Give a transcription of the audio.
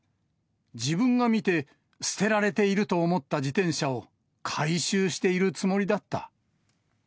自分が見て、捨てられていると思った自転車を、回収しているつもりだった。